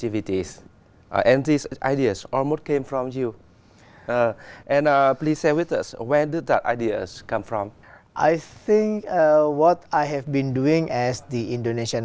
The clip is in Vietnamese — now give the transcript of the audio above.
vì vậy có vài công việc đã được thực hiện ở đây